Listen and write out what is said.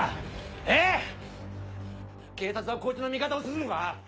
えぇ⁉警察はこいつの味方をするのか？